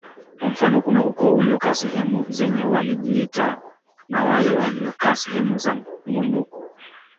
Kwa mfano kuna ukoo uliokaa sehemu zenye walijiita na wale waliokaa sehemu za mwinuko